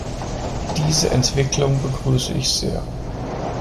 Diese Entwicklung begrüße ich sehr.